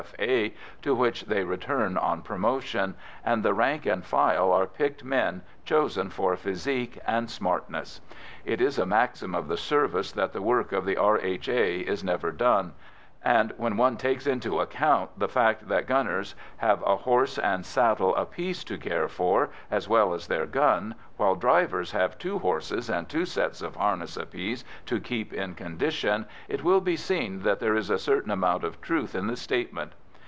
F.A., to which they return on promotion, and the rank and file are picked men, chosen for physique and smartness. It is a maxim of the service that the work of the R.H.A. is never done, and when one takes into account the fact that gunners have a horse and saddle apiece to care for as well as their gun, while drivers have two horses and two sets of harness apiece to keep in condition, it will be seen that there is a certain amount of truth in the statement.